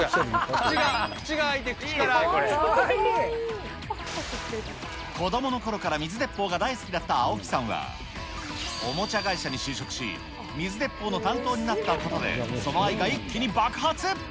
口が開いて、子どものころから水鉄砲が大好きだった青木さんは、おもちゃ会社に就職し、水鉄砲の担当になったことで、その愛が一気に爆発。